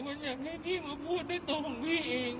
มันอยากให้พี่มาพูดด้วยตัวของพี่เอง